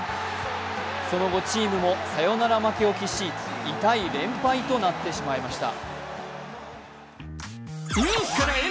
その後、チームもサヨナラ負けを喫し、痛い連敗となってしまいました。